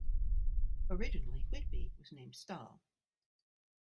Originally, Whitby was named Stahl.